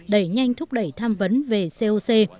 đẩy nhanh thúc đẩy tham vấn về coc